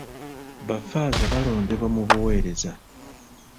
Baffaaza balondebwa mu buweereza.